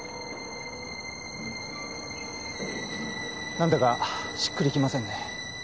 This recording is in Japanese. なんだかしっくりきませんね。